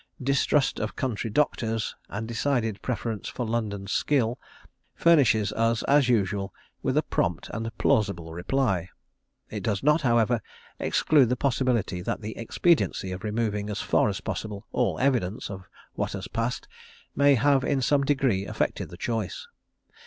Distrust of country doctors, and decided preference for London skill, furnishes us, as usual, with a prompt and plausible reply. It does not, however, exclude the possibility that the expediency of removing as far as possible all evidence of what had passed may have in some degree affected the choice.